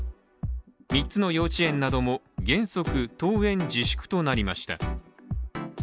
３つの幼稚園なども原則登園自粛となりました。